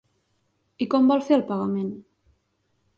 I com vol fer el pagament?